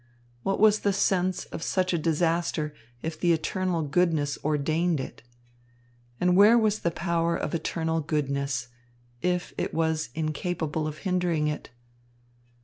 What was the sense of such a disaster if the eternal goodness ordained it? And where was the power of eternal goodness, if it was incapable of hindering it?